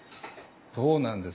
そうなんです。